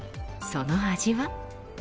その味は。